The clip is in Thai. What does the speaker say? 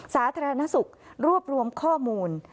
สาธารณสุขรวบรวมข้อมูล